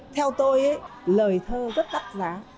theo tôi lời thơ rất đắt giá